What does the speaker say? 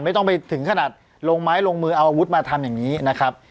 ไม่ต้องไปถึงขนาดลงไม้ลงมือเอาอาวุธมาทำอย่างนี้นะครับ